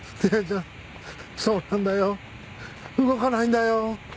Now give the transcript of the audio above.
そうなんだよ動かないんだよ。